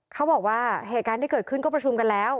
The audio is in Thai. เขาบอกว่าเหตุการณ์ที่เกิดขึ้นก็ประชุมกันแล้ว